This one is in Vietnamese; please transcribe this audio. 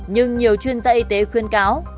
nhưng nhiều chuyên gia y tế khuyên cáo